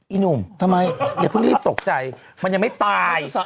อี้หนุ่มอย่าพึ่งรีบตกใจมันยังไม่ตาย